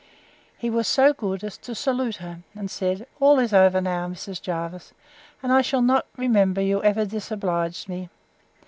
—He was so good as to salute her, and said, All is over now, Mrs. Jervis; and I shall not remember you ever disobliged me.